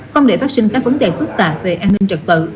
không để phát sinh các vấn đề phức tạp về an ninh trật tự